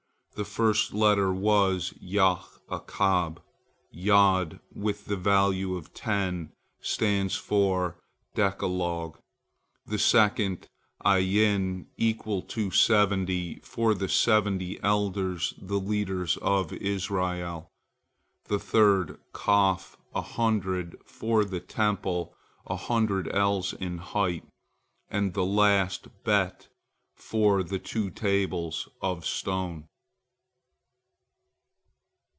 The first letter in Ya'akob, Yod, with the value of ten, stands for the decalogue; the second, 'Ayin, equal to seventy, for the seventy elders, the leaders of Israel; the third, Kof, a hundred, for the Temple, a hundred ells in height; and the last, Bet, for the two tables of stone.